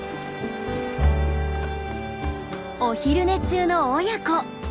お昼寝中の親子。